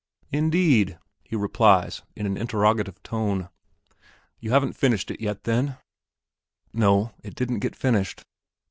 "Indeed?" he replies in an interrogative tone. "You haven't got it finished, then?" "No, it didn't get finished."